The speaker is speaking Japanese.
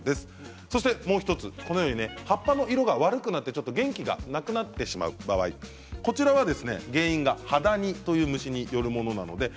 もう１つ葉っぱの色が悪くなって元気がなくなってしまった場合こちらは原因がハダニという虫によるものです。